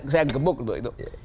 saya gebuk gitu